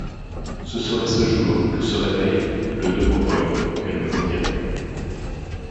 Ce serait ce jour que se réveillent le Domovoï et le Vodianoï.